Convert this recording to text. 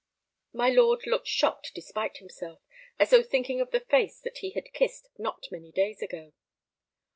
My lord looked shocked despite himself, as though thinking of the face that he had kissed not many days ago.